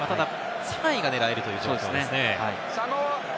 ただ３位が狙えるという状況ですね。